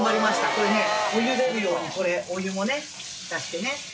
これお湯出るようにこれお湯もね足してね。